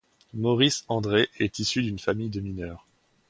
Maurice André est issu d'une famille de mineurs.